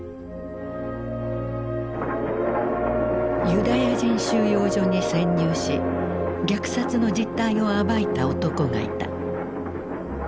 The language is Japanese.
ユダヤ人収容所に潜入し虐殺の実態を暴いた男がいた。